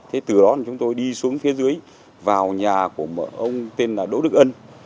thế từ đó chúng tôi đi xuống phía dưới vào nhà của ông tên là đỗ đức ân